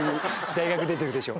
「大学出てるでしょ？」。